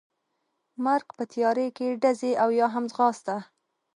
مرګ، په تیارې کې ډزې او یا هم ځغاسته.